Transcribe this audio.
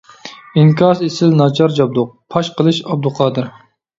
ئىنكاس ئېسىل ناچار جابدۇق پاش قىلىش ئابدۇقادىر.